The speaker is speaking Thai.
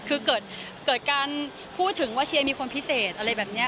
คือเกิดการพูดถึงว่าเชียร์มีคนพิเศษอะไรแบบนี้